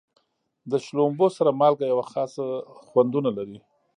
د شړومبو سره مالګه یوه خاصه خوندونه لري.